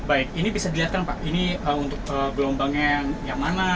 baik ini bisa dilihatkan pak ini untuk gelombangnya yang mana